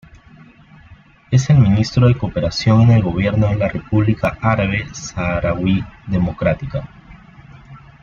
Es el ministro de cooperación en el gobierno de la República Árabe Saharaui Democrática.